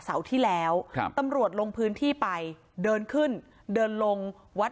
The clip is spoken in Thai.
ที่แล้วครับตำรวจลงพื้นที่ไปเดินขึ้นเดินลงวัด